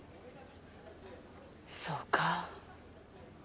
そうか。